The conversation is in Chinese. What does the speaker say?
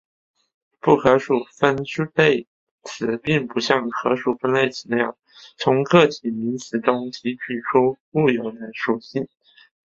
不可数分类词并不像可数分类词那样从个体名词中提取出固有的属性。